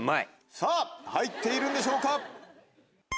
さぁ入っているんでしょうか？